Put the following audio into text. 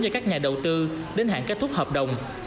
cho các nhà đầu tư đến hạn kết thúc hợp đồng